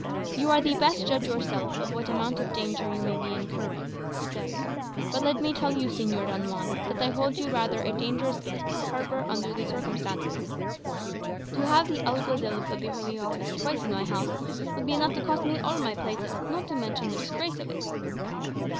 "You are the best judge yourself of what amount of danger you may be incurring," he said. "But let me tell you, Señor Don Juan, that I hold you rather a dangerous guest to harbour under the circumstances. To have the Alguazils of the Holy Office twice in my house would be enough to cost me all my places, not to mention the disgrace of it."